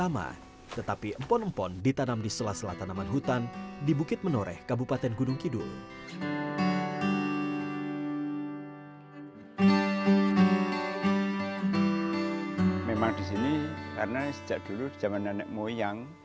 memang disini karena sejak dulu zaman nenek moyang